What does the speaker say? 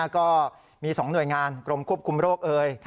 ก็มี๒หน่วยงานกรมควบคุมโรคเอ่ย